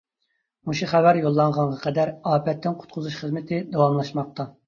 مۇشۇ خەۋەر يوللانغانغا قەدەر ئاپەتتىن قۇتقۇزۇش خىزمىتى داۋاملاشماقتا.